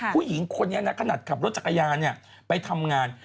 ผู้หญิงคนนี้นะขนาดขับรถจักรยานไปทำงาน